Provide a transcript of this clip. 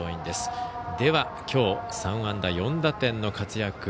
では、きょう３安打４打点の活躍